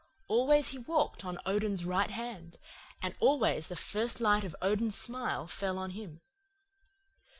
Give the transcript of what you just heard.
Always he walked on Odin's right hand, and always the first light of Odin's smile fell on him.